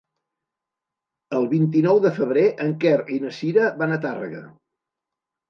El vint-i-nou de febrer en Quer i na Sira van a Tàrrega.